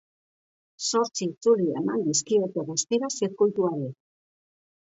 Zortzi itzuli eman dizkiote guztira zirkuituari.